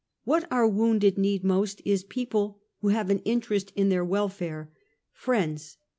What our wounded need most, is peo ple who have an interest in their welfare — friends.